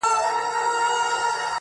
کليوال راټولېږي شاوخوا ډېر خلک,